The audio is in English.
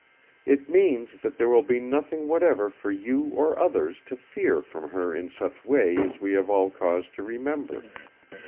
It means that there will be nothing whatever for you or others to fear from her in such way as we have all cause to remember.